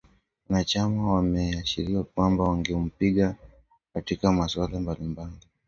Wanachama wameashiria kwamba wangempinga katika masuala mbali mbali